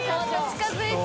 近づいて。